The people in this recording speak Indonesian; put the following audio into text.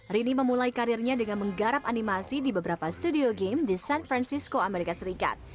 rini memulai karirnya dengan menggarap animasi di beberapa studio game di san francisco amerika serikat